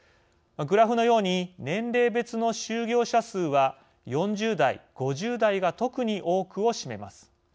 グラフのように年齢別の就業者数は４０代、５０代が特に多くを占めます。